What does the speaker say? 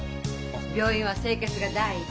病院は清潔が第一。